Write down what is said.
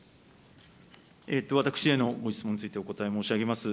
私へのご質問についてお答え申し上げます。